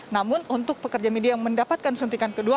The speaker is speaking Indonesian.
namun untuk pekerja media yang mendapatkan suntikan kedua